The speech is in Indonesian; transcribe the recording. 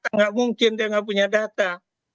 tidak mungkin dia nggak punya data